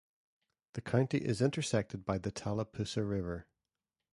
The county is intersected by the Tallapoosa River.